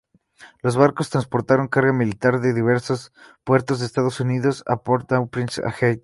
Los barcos transportaron carga militar de diversos puertos de Estados Unidos a Port-au-Prince, Haití.